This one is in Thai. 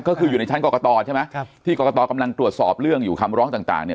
ก็คืออยู่ในชั้นกรกตใช่ไหมครับที่กรกตกำลังตรวจสอบเรื่องอยู่คำร้องต่างเนี่ย